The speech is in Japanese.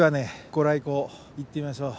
ご来光行ってみましょう。